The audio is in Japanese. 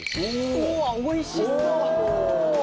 うわおいしそうっ